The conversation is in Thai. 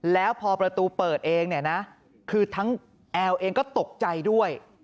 แล้วพอประตูเปิดเองเนี่ยนะคือทั้งแอลเองก็ตกใจด้วย